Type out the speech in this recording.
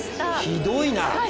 ひどいな！